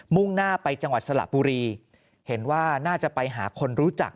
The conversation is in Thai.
่งหน้าไปจังหวัดสระบุรีเห็นว่าน่าจะไปหาคนรู้จัก